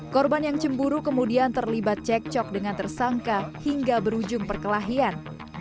korban yang cemburu kemudian terlibat cekcok dengan tersangka hingga berujung perkelahian